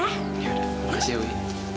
yaudah makasih ya wih